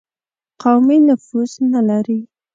قومي نفوذ نه لري.